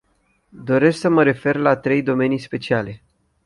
Doresc să mă refer la trei domenii speciale.